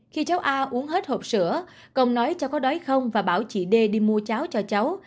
khi cháu a uống hết hộp sữa công nói cháu có đói không và bảo chị đê đi mua cháu cho cháu